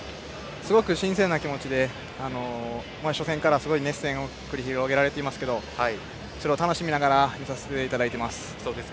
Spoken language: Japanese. すごく新鮮な気持ちで初戦から、すごい熱戦が繰り広げられていますけどそれを楽しみながら見させていただいています。